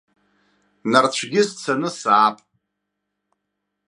Нарцәгьы сцаны саап.